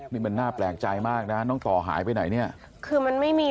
นี่มันน่าแปลกใจมากนะน้องต่อหายไปไหนเนี่ยคือมันไม่มี